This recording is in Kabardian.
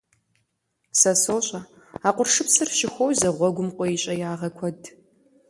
Сэ сощӀэ, а къуршыпсыр щыхуозэ гъуэгум къуейщӀеягъэ куэд.